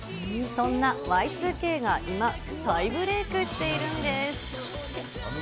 そんなＹ２Ｋが今、再ブレークしているんです。